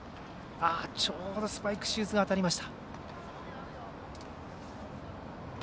ちょうどスパイクシューズが当たりました。